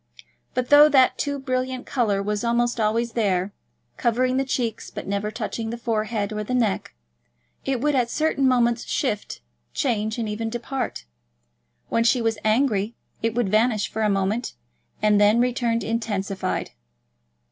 But, though that too brilliant colour was almost always there, covering the cheeks but never touching the forehead or the neck, it would at certain moments shift, change, and even depart. When she was angry, it would vanish for a moment and then return intensified.